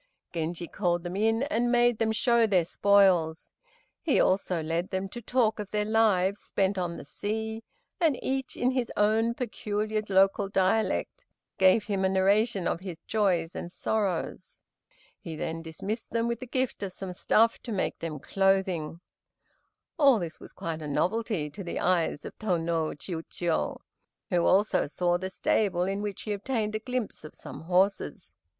Genji called them in and made them show their spoils. He also led them to talk of their lives spent on the sea, and each in his own peculiar local dialect gave him a narration of his joys and sorrows. He then dismissed them with the gift of some stuff to make them clothing. All this was quite a novelty to the eyes of Tô no Chiûjiô, who also saw the stable in which he obtained a glimpse of some horses.